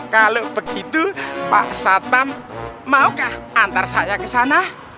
kalau begitu pak satam maukah antar saya ke sana